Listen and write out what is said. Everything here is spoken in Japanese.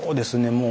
もう